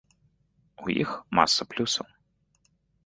У іх маса плюсаў.